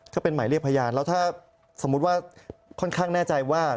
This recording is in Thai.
ก็เป็นหมายเรียกพยานแล้วถ้าสมมุติว่าค่อนข้างแน่ใจว่า